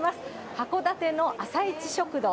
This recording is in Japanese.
函館の朝市食堂